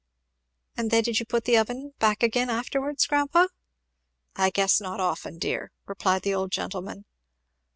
"And then did you put the oven back again afterwards, grandpa?" "I guess not often, dear!" replied the old gentleman.